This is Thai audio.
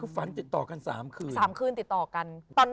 สามคืนติดต่อกัน